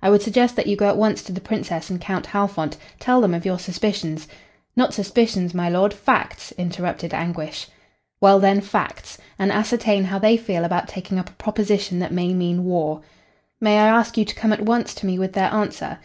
I would suggest that you go at once to the Princess and Count Halfont, tell them of your suspicions " "Not suspicions, my lord, facts," interrupted Anguish. "Well, then, facts, and ascertain how they feel about taking up a proposition that may mean war. May I ask you to come at once to me with their answer.